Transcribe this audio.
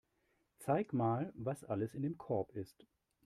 Zeig mal, was alles in dem Korb ist.